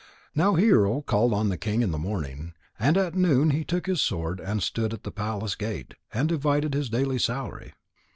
Now Hero called on the king in the morning, and at noon he took his sword and stood at the palace gate and divided his daily salary.